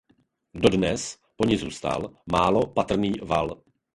Dodnes po ní zůstal málo patrný val.